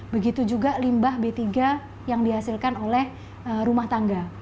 begitu juga limbah b tiga yang dihasilkan oleh rumah tangga